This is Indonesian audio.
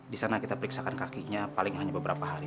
di sana kita periksakan kakinya paling hanya beberapa hari